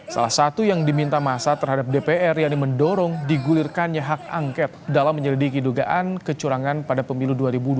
salah satu yang diminta masa terhadap dpr yang mendorong digulirkannya hak angket dalam menyelidiki dugaan kecurangan pada pemilu dua ribu dua puluh